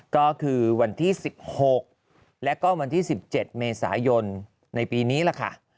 ก็คือวันที่๑๖และก็วันที่๑๗เมษายนในปีนี้แหละค่ะ